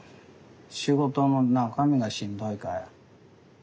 仕事の中身がしんどいかえ？